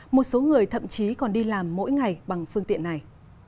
một số người thậm chí còn đi làm mỗi ngày bằng phương tiện này